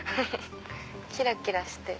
キラキラしてる。